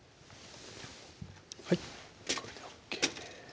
はいこれでＯＫです